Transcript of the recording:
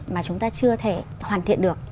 mà chúng ta chưa thể hoàn thiện được